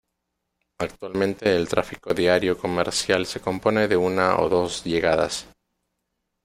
Actualmente, el tráfico diario comercial se compone de una o dos llegadas.